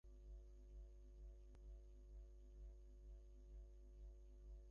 এ জন্য অন্য উড়োজাহাজের উড্ডয়ন থামিয়ে বিমানবন্দর বন্ধ ঘোষণা করা হয়েছে।